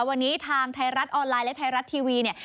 วันนี้ทางไทยรัฐออนไลน์และไทยรัฐทีวีเนี่ย